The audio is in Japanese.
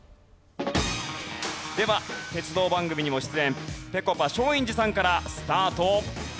では鉄道番組にも出演ぺこぱ松陰寺さんからスタート。